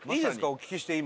お聞きして今。